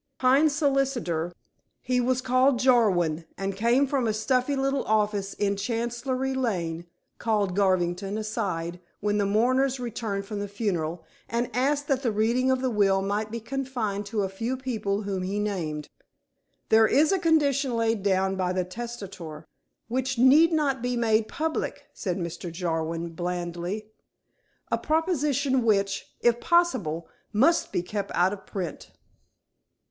Pine's solicitor he was called Jarwin and came from a stuffy little office in Chancery Lane called Garvington aside, when the mourners returned from the funeral, and asked that the reading of the will might be confined to a few people whom he named. "There is a condition laid down by the testator which need not be made public," said Mr. Jarwin blandly. "A proposition which, if possible, must be kept out of print."